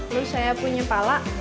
terus saya punya pala